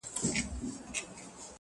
د لست اې سیالیو د اتلولۍ